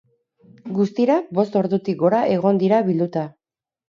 Guztira bost ordutik gora egon dira bilduta.